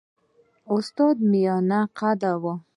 استاد میانه قده وو.